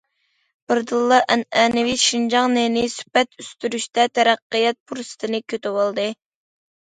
بىردىنلا، ئەنئەنىۋى شىنجاڭ نېنى سۈپەت ئۆستۈرۈشتەك تەرەققىيات پۇرسىتىنى كۈتۈۋالدى.